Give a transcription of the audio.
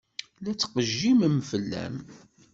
La ttqejjimen fell-am.